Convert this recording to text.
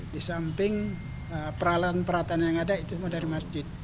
di samping peralatan peralatan yang ada itu semua dari masjid